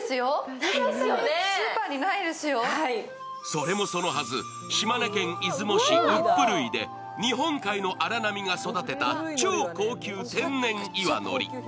それもそのはず、島根県出雲市十六島で日本海の荒波が育てた超高級天然岩のり。